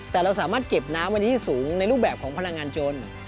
แต่เราสามารถเก็บน้ำไว้ที่สูงในรูปแบบของพลังงานจน